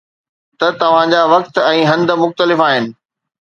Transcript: ته توهان جا وقت ۽ هنڌ مختلف آهن